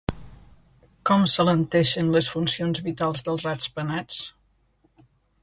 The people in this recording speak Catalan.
Com s'alenteixen les funcions vitals dels ratpenats?